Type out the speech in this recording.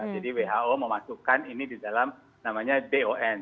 jadi who memasukkan ini di dalam namanya don